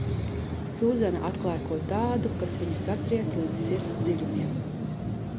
Sūzana atklāj ko tādu, kas viņu satriec līdz sirds dziļumiem.